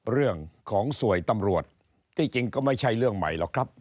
เรื่องของสวยตำรวจที่จริงก็ไม่ใช่เรื่องใหม่หรอกครับ